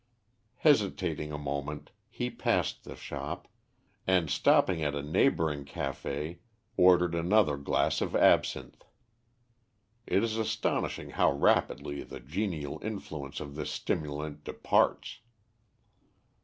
Hesitating a moment, he passed the shop, and, stopping at a neighbouring café, ordered another glass of absinthe. It is astonishing how rapidly the genial influence of this stimulant departs!